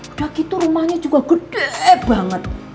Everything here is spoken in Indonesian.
udah gitu rumahnya juga gede banget